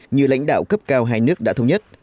như lãnh đạo cấp cao hai nước đã thống nhất